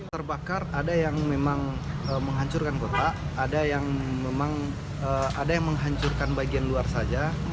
terbakar ada yang memang menghancurkan kotak ada yang memang ada yang menghancurkan bagian luar saja